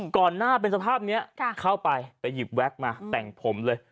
ก่อนหน้าเป็นสภาพนี้เข้าไปไปหยิบแว็กมาแต่งผมเลย